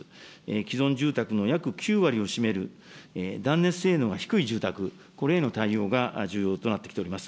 既存住宅の約９割を占める断熱性能が低い住宅、これへの対応が重要となってきております。